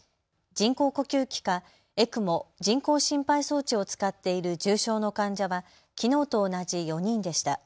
人工呼吸器かＥＣＭＯ・人工心肺装置を使っている重症の患者はきのうと同じ４人でした。